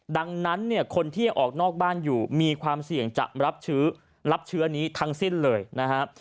ดังนั้นเนี่ยคนที่ออกนอกบ้านอยู่มีความเสี่ยงจะรับเชื้อรับเชื้อนี้ทั้งสิ้นเลยนะครับ